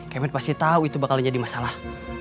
kemen pasti tahu itu bakal jadi masalah